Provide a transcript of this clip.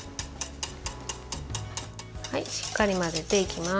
しっかり混ぜていきます。